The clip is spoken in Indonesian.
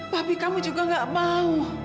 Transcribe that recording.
papi kamu juga gak mau